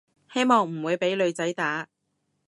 希望唔會畀女仔打